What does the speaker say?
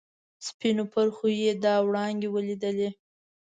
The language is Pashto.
سپینو پرخو چې دا وړانګې ولیدلي.